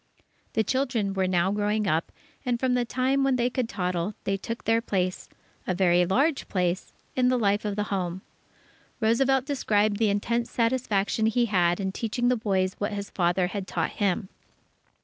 The children were now growing up, and from the time when they could toddle, they took their place a very large place in the life of the home. Roosevelt described the intense satisfaction he had in teaching the boys what his father had taught him.